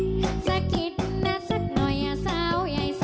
น้ำตาตกโคให้มีโชคเมียรสิเราเคยคบกันเหอะน้ำตาตกโคให้มีโชค